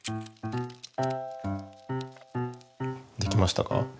できましたか？